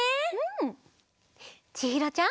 ちひろちゃん。